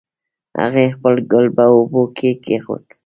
هغې خپل ګل په اوبو کې کېښود